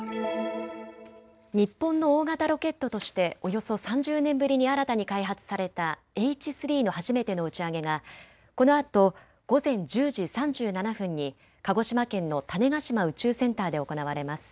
日本の大型ロケットとしておよそ３０年ぶりに新たに開発されたＨ３の初めての打ち上げがこのあと午前１０時３７分に鹿児島県の種子島宇宙センターで行われます。